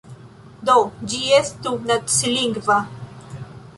Do, ĝi estu nacilingva.